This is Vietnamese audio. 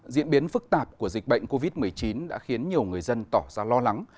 diễn biến phức tạp của dịch bệnh covid một mươi chín đã khiến nhiều người dân tỏ ra lo lắng